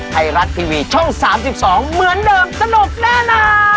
ไทยรัฐทีวีช่อง๓๒เหมือนเดิมสนุกแน่นอน